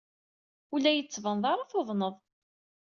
Ur la iyi-tettbaneḍ ara tuḍneḍ.